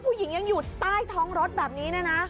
ผู้หญิงยังอยู่ใต้ท้องรถแบบนี้เนี่ยนะ